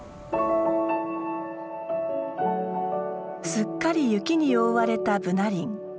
すっかり雪に覆われたブナ林。